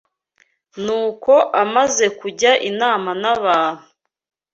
Nuko amaze kujya inama n’abantu